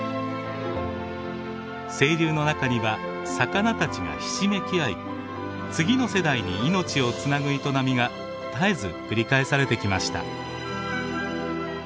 清流の中には魚たちがひしめきあい次の世代に命をつなぐ営みが絶えず繰り返されてきました。